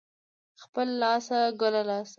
خپله لاسه ، گله لاسه.